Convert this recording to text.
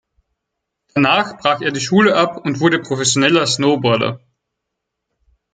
Danach brach er die Schule ab und wurde professioneller Snowboarder.